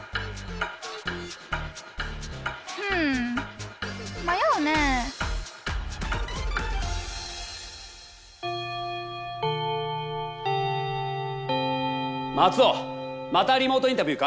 うん迷うねえマツオまたリモートインタビューか？